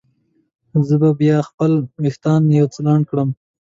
زه به بیا خپل وریښتان یو څه لنډ کړم.